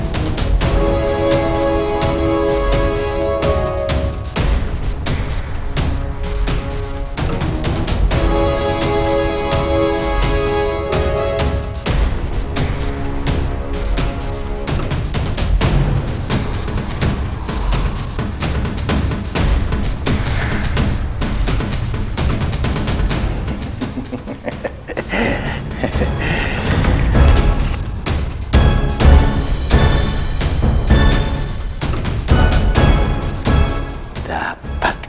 tikah longsot tiga kali kembali